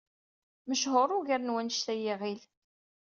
Mechuṛ ugar n wanect ay iɣil.